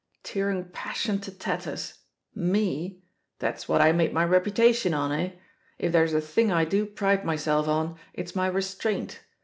^Tearing passion to tatters' me? That's what I made my reputation on, eh? If there's a thing I do pride myself on, it's my restraint.